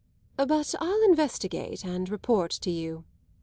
But I'll investigate and report to you."